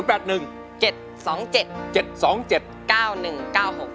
เบอร์คุณแม่ครับ